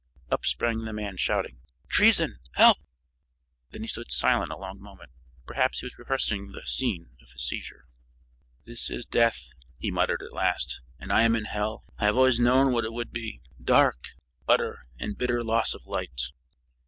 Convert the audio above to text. Up sprang the man, shouting: "Treason! Help!" Then he stood silent a long moment; perhaps he was rehearsing the scene of his seizure. "This is death," he muttered at last, "and I am in hell. I have always known what it would be dark utter and bitter loss of light."